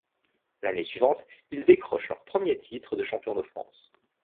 L'année suivante, ils décrochent leur premier titre de Champion de France.